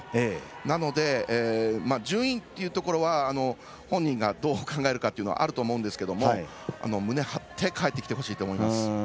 なので、順位っていうところは本人がどう考えるかというのはあると思うんですけど胸を張って、帰ってきてほしいと思います。